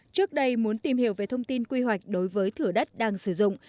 trước đây muốn tìm hiểu về thông tin quy hoạch đối với thửa đất đang sử dụng